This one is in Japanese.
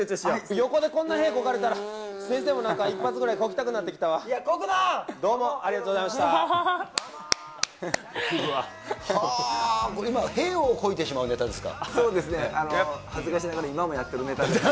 横でこんな屁こかれたら、先生もなんか一発ぐらいこきたくなってこくな！